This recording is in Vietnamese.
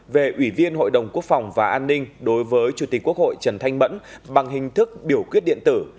về ủy viên hội đồng quốc phòng và an ninh đối với chủ tịch quốc hội trần thanh mẫn bằng hình thức biểu quyết điện tử